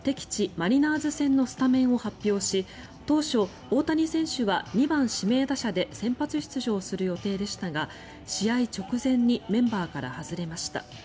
マリナーズ戦のスタメンを発表し当初、大谷選手は２番指名打者で先発出場する予定でしたが試合直前にメンバーから外れました。